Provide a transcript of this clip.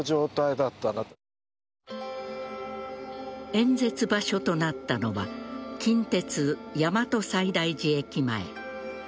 演説場所となったのは近鉄大和西大寺駅前。